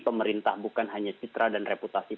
pemerintah bukan hanya citra dan reputasi